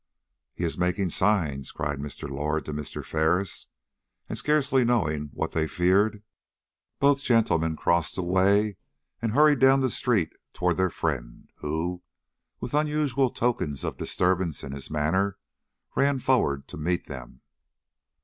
"He is making signs," cried Mr. Lord to Mr. Ferris; and scarcely knowing what they feared, both gentlemen crossed the way and hurried down the street toward their friend, who, with unusual tokens of disturbance in his manner, ran forward to meet them.